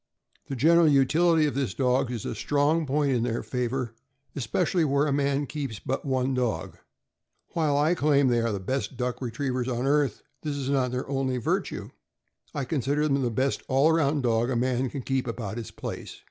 The general utility of these dogs is a strong point in their favor, especially where a man keeps but one dog. While I claim they are the best duck retrievers on earth, this is not their only virtue; I consider them the best all around dog a man can keep about his place.